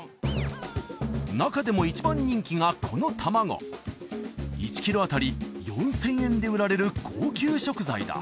中でも一番人気がこの卵１キロあたり４０００円で売られる高級食材だ